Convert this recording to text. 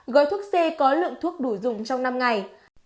gói thuốc c có lượng thuốc đủ dùng trong năm ngày